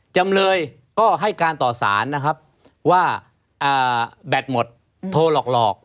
จำเลยก็ให้การต่อสารนะครับว่าแบตหมดโทรหลอก